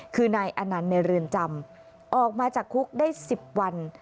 คือนายอนันต์ในเรือนจำออกมาจากคุกได้๑๐วัน